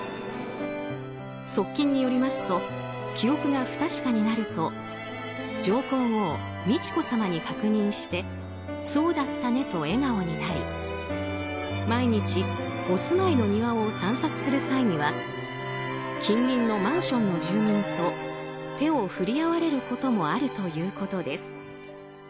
側近によりますと記憶が不確かになると上皇后・美智子さまに確認してそうだったねと笑顔になり毎日、お住まいの庭を散策する際には近隣のマンションの住民と手を振り合われることもあるということです。